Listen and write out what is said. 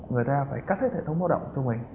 người ta phải cắt hết hệ thống báo động cho mình